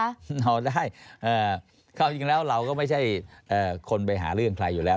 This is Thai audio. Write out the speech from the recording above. นอนได้ความจริงแล้วเราก็ไม่ใช่คนไปหาเรื่องใครอยู่แล้ว